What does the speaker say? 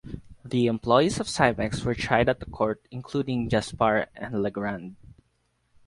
The employees of Simex were tried at the court including Jaspar and Legrand.